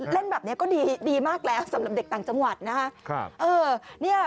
เล่นแบบนี้ก็ดีมากแล้วสำหรับเด็กต่างจังหวัดนะครับ